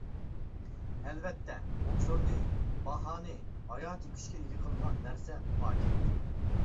ئەلۋەتتە ئوبزورنى، باھانى ھاياتىي كۈچكە ئىگە قىلىدىغان نەرسە پاكىت.